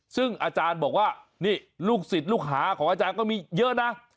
ซึ่งอาจารย์บอกว่านี่ลูกศิษย์ลูกหาของอาจารย์ก็มีเยอะนะ